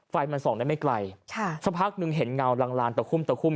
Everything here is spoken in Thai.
ไฟมันส่องได้ไม่ไกลสักพักหนึ่งเห็นเงาลางลางตะคุ่มตะคุ่ม